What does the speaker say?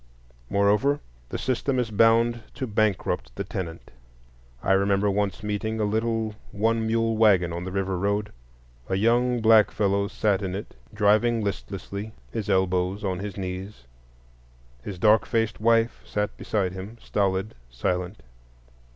Moreover, the system is bound to bankrupt the tenant. I remember once meeting a little one mule wagon on the River road. A young black fellow sat in it driving listlessly, his elbows on his knees. His dark faced wife sat beside him, stolid, silent.